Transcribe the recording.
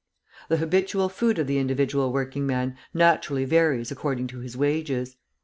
The habitual food of the individual working man naturally varies according to his wages.